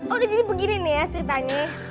udah jadi begini nih ya ceritanya